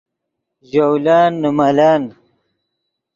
ژولن نے ملن